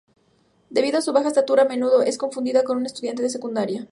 Debido a su baja estatura, a menudo es confundida con una estudiante de secundaria.